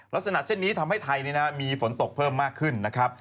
ลักษณะเช่นนี้ทำให้ไทยมีฝนตกเพิ่มมากขึ้นนะครับ